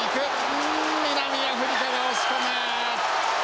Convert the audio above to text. うん南アフリカが押し込む！